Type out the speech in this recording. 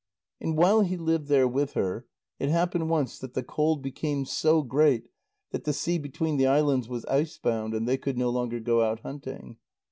And while he lived there with her, it happened once that the cold became so great that the sea between the islands was icebound, and they could no longer go out hunting.